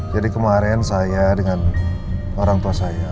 jadi kemarin saya dengan orang tua saya